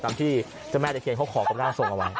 ตามที่เจ้าแม่ตะเคียนเขาขอกับร่างทรงเอาไว้